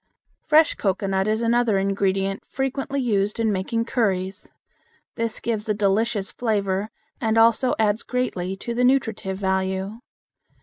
Fresh Cocoanut is another ingredient frequently used in making curries. This gives a delicious flavor and also adds greatly to the nutritive value.